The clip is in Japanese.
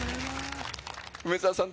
梅澤さん